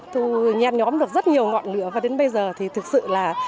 tôi nhăn nhóm được rất nhiều ngọn lửa và đến bây giờ thì thực sự là